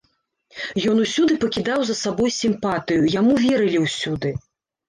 Ён усюды пакідаў за сабой сімпатыю, яму верылі ўсюды.